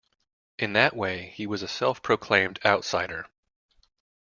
In that way, he was a self-proclaimed outsider.